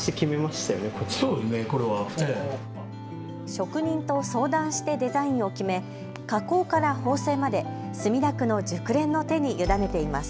職人と相談してデザインを決め加工から縫製まで墨田区の熟練の手に委ねています。